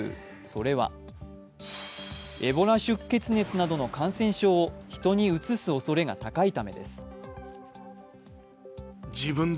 それはエボラ出血熱などの感染症を人にうつすおそれが高いためです。